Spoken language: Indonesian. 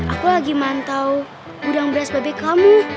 aku lagi mantau gudang beras bebek kamu